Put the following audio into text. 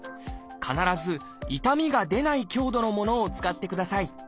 必ず痛みが出ない強度のものを使ってください。